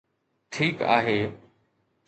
ٺيڪ آهي